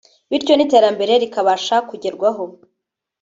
bityo n’iterambere rikabasha kugerwaho